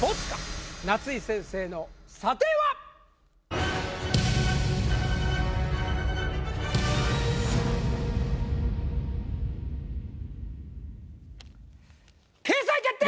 夏井先生の査定は⁉掲載決定！